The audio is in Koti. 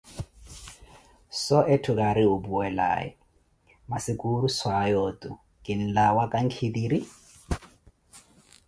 So etthu kaari wupuwelaye, masi Kursu aya otu kinlawa kankhitiri?